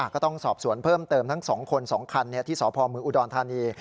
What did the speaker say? ก็ต้องสอบสวนเพิ่มเติมทั้ง๒คน๒คันที่สพเมืองอุดรธานี